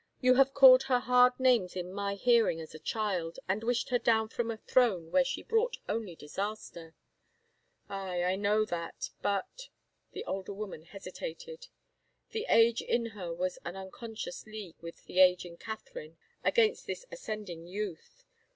You have called her hard names in my hearing as a child, and wished her down from a throne where she brought only disaster." " Aye — I know, but —" the older woman hesitated. The age in her was in unconscious league with the age in Catherine against this ascending youth.